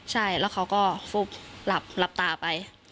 ใช่แล้วเขาก็ฟุบหลับตาไป